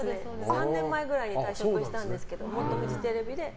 ３年前くらいに退職したんですけど元フジテレビで。